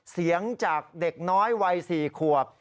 เสียงจากเด็กน้อยวัย๔ขวบ